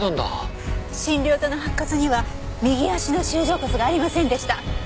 診療所の白骨には右足の舟状骨がありませんでした。